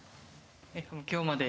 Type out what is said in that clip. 今日まで。